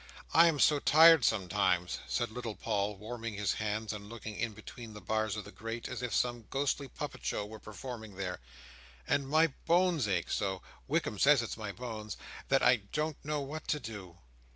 I am so tired sometimes," said little Paul, warming his hands, and looking in between the bars of the grate, as if some ghostly puppet show were performing there, "and my bones ache so (Wickam says it's my bones), that I don't know what to do."